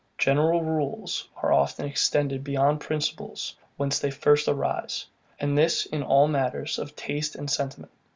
GENERAL RULES are often extended beyond the principle whence they first arise; and this in all matters of taste and sentiment.